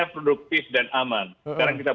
produktif dan aman sekarang kita